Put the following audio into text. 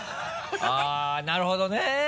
あぁなるほどね。